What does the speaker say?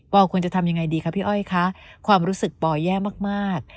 ควรจะทำยังไงดีคะพี่อ้อยคะความรู้สึกปอแย่มาก